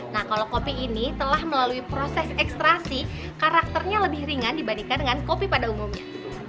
nah kalau kopi ini telah melalui proses ekstrasi karakternya lebih ringan dibandingkan dengan kopi pada umumnya